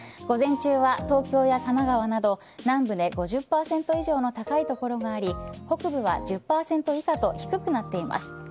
午前中は東京や神奈川など南部で５０％以上の高い所があり北部は１０％以下と低くなっています。